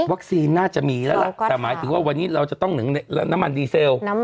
น่าจะมีแล้วล่ะแต่หมายถึงว่าวันนี้เราจะต้องน้ำมันดีเซล